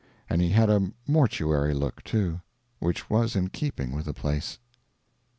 And he had a mortuary look, too, which was in keeping with the place.